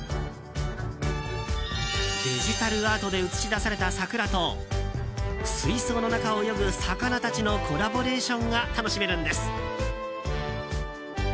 デジタルアートで映し出された桜と水槽の中を泳ぐ魚たちのコラボレーションが楽しめるんです。